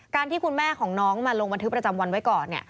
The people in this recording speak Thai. ที่คุณแม่ของน้องมาลงบันทึกประจำวันไว้ก่อน